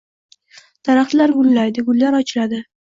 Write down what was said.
Daraxtlar gullaydi, gullar ochiladi.